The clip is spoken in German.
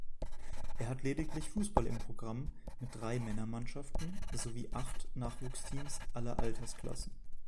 Er hat lediglich Fußball im Programm mit drei Männermannschaften sowie acht Nachwuchsteams aller Altersklassen.